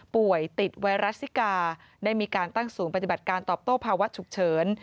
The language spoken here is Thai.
ป่วยติดไวรัสซิกาได้มีการตั้งศูนย์ปฏิบัติการตอบโต้ภาวะฉุกเฉิน